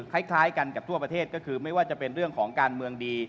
คล้ายกันกับทั่วประเทศก็คือไม่ว่าจะเป็นเรื่องของการเมืองดี